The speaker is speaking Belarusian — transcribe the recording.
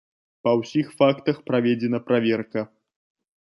Па ўсіх фактах праведзена праверка.